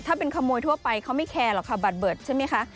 ถ้าเป็นขโมยทั่วไปเขาไม่แคร์หรอกค่ะบัตรเบิดใช่ไหมคะ